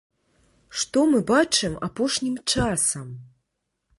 Што мы бачым апошнім часам?